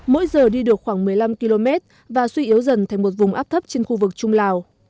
mỗi giờ đi được khoảng một mươi năm km và suy yếu dần thành một vùng áp thấp trên khu vực trung lào